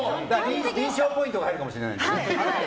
輪唱ポイントが入るかもしれないですね。